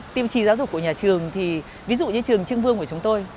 tiêu chí giáo dục của nhà trường thì ví dụ như trường trưng vương của chúng tôi